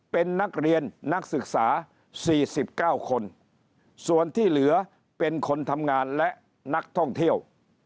เป็นนักเรียนนักศึกษา๔๙คนส่วนที่เหลือเป็นคนทำงานและนักท่องเที่ยว